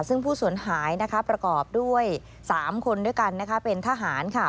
ซึ่งผู้สูญหายนะคะประกอบด้วย๓คนด้วยกันนะคะเป็นทหารค่ะ